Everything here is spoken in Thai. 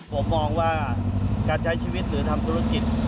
ผมมองว่าการใช้ชีวิตหรือทำธุรกิจ